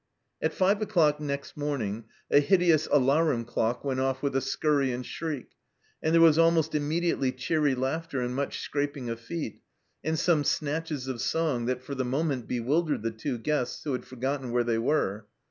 At five o'clock next morning a hideous alarum clock went off with a scurry and shriek, and there was almost immediately cheery laughter and much scraping of feet, and some snatches of song that for the moment bewildered the two guests, who had forgotten where they were.